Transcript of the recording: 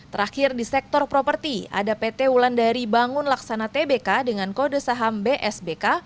terakhir di sektor properti ada pt wulandari bangun laksana tbk dengan kode saham bsbk